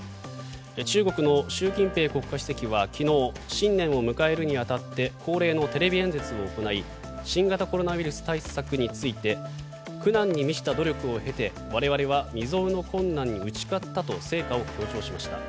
中国の習近平国家主席は昨日新年を迎えるに当たって恒例のテレビ演説を行い新型コロナウイルス対策について苦難に満ちた努力を経て我々は未曽有の困難に打ち勝ったと成果を強調しました。